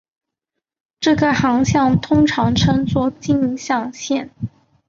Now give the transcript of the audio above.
这个航向通常称作径向线。